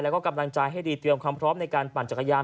แล้วก็กำลังใจให้ดีเตรียมความพร้อมในการปั่นจักรยาน